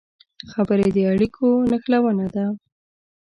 خبرې د اړیکو نښلونه ده